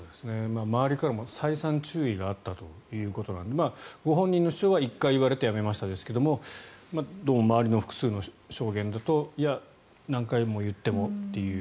周りからも再三、注意があったということでご本人の主張は１回言われてやめましたですけどどうも周りの複数の証言だといや、何回も言ってもという。